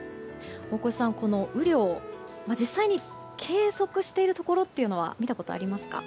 大越さん、この雨量実際に計測しているところというのは見たことありますか？